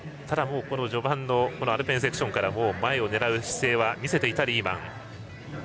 ただ、序盤のアルペンセクションから前を狙う姿勢は見せていたリーマン。